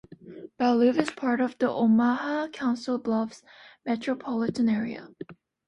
Bellevue is part of the Omaha-Council Bluffs metropolitan area.